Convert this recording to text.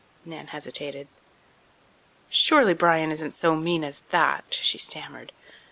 Nan hesitated. "Surely Bryan isn't so mean as that," she stammered.